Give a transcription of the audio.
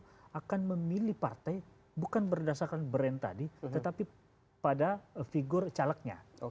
karena akan memilih partai bukan berdasarkan brand tadi tetapi pada figur calegnya